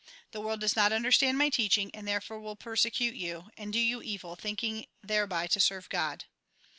The world does not understand my teaching, and there fore will persecute you, and do you evil, thinking thereby to serve God.